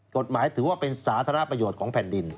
กฎหมายถือว่าเป็นสาธารณประโยชน์ของแผ่นดิน